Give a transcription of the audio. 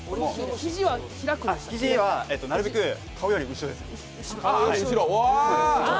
肘はなるべく顔より後ろです。